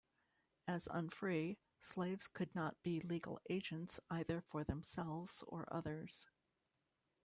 As unfree, slaves could not be legal agents either for themselves or others.